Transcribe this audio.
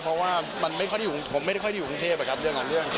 เพราะว่ามันไม่ค่อยผมไม่ได้ค่อยอยู่กรุงเทพเรื่องของเรื่อง